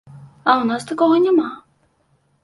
А ў нас такога няма.